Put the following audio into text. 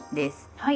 はい。